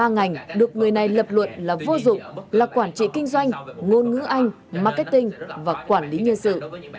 ba ngành được người này lập luận là vô dụng là quản trị kinh doanh ngôn ngữ anh marketing và quản lý nhân sự